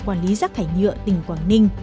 quản lý rác thải nhựa tỉnh quảng ninh